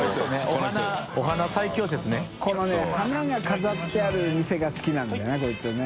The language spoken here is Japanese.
海里花が飾ってある店が好きなんだよなこいつね。